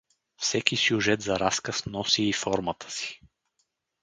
Всеки сюжет за разказ носи и формата си.